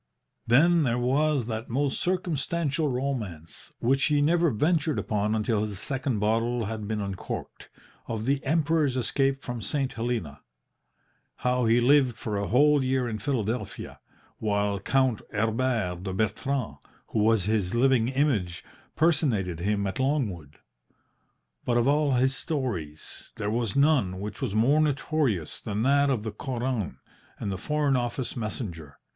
Then there was that most circumstantial romance (which he never ventured upon until his second bottle had been uncorked) of the Emperor's escape from St. Helena how he lived for a whole year in Philadelphia, while Count Herbert de Bertrand, who was his living image, personated him at Longwood. But of all his stories there was none which was more notorious than that of the Koran and the Foreign Office messenger.